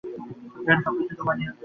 এখানে, সবকিছু তোমার নিয়ন্ত্রণে।